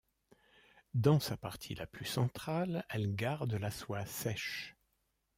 Dans sa partie la plus centrale, elle garde la soie sèche.